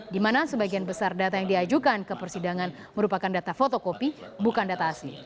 di mana sebagian besar data yang diajukan ke persidangan merupakan data fotokopi bukan data asli